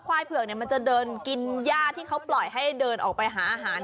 เผือกมันจะเดินกินย่าที่เขาปล่อยให้เดินออกไปหาอาหาร